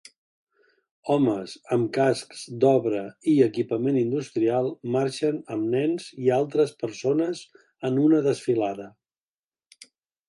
Homes amb cascs d'obra i equipament industrial marxen amb nens i altres persones en una desfilada.